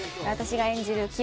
私が演じる